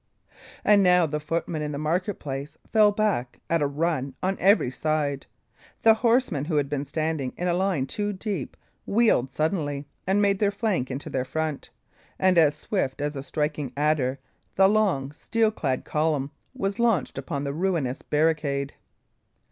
And now the footmen in the market place fell back, at a run, on every side. The horsemen, who had been standing in a line two deep, wheeled suddenly, and made their flank into their front; and as swift as a striking adder, the long, steel clad column was launched upon the ruinous barricade.